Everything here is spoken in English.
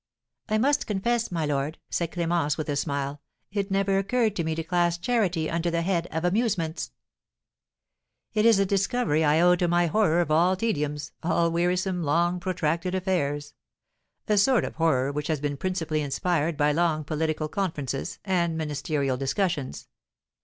"I must confess, my lord," said Clémence, with a smile, "it never occurred to me to class charity under the head of amusements." "It is a discovery I owe to my horror of all tediums, all wearisome, long protracted affairs, a sort of horror which has been principally inspired by long political conferences and ministerial discussions.